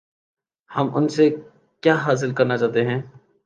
ہم ان سے کیا حاصل کرنا چاہتے ہیں؟